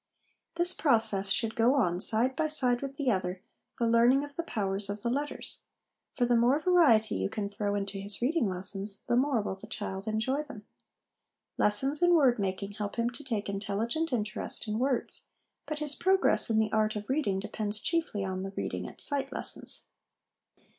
This process should go on side by side with the other the learning of the powers of the letters ; for the more variety you can throw into his reading lessons, the more will the child enjoy them. Lessons in word making help him to take intelligent interest in words ; but his progress in the art of reading depends chiefly on the ' reading at sight ' lessons.